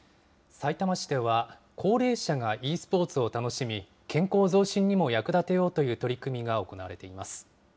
さいたま市では、高齢者がｅスポーツを楽しみ、健康増進にも役立てようという取り組みが行われています。